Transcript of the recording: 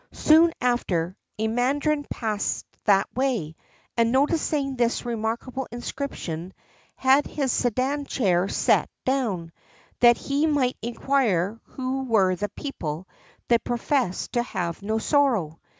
Soon after, a mandarin passed that way, and, noticing this remarkable inscription, had his sedan chair set down, that he might inquire who were the people that professed to have no sorrow.